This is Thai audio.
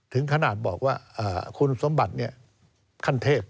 ถึงขนาดบอกว่าคุณสมบัติขั้นเทพ